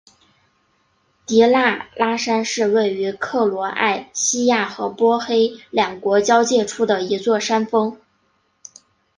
迪纳拉山是位于克罗埃西亚和波黑两国交界处的一座山峰。